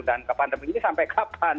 dan ke pandemi ini sampai kapan